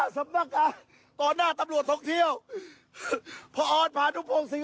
ตะโกนเสียงดัง